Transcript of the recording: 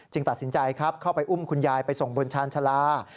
จึงตัดสินใจเข้าไปอุ้มคุณยายไปส่งบนชาญชาว